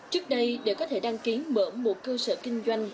trước đây để có thể đăng ký mở một cơ sở kinh doanh